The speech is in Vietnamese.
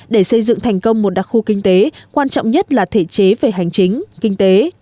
để xây dựng thành công một đặc khu kinh tế quan trọng nhất là thể chế về hành chính kinh tế